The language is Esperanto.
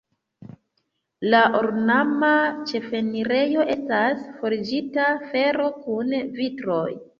La ornama ĉefenirejo estas forĝita fero kun vitroj.